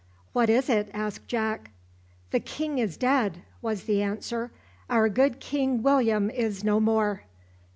"What is it?" asked Jack. "The king is dead!" was the answer. "Our good King William is no more!"